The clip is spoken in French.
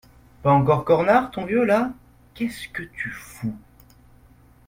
Pas encore cornard, ton vieux, là ? Qu’est-ce que tu fous ?